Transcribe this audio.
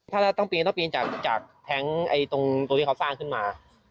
ถ้าเราต้องปีนต้องปีนจากแท้งตรงที่เขาสร้างขึ้นมา